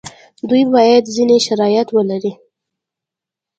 دوی باید ځینې شرایط ولري.